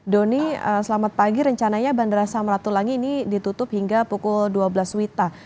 doni selamat pagi rencananya bandara samratulangi ini ditutup hingga pukul dua belas wita